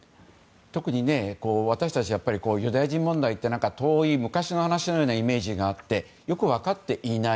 特に私たちはユダヤ人問題って遠い昔の話のようなイメージがあってよく分かっていない。